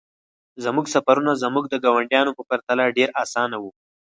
زموږ سفرونه زموږ د ګاونډیانو په پرتله ډیر اسانه وو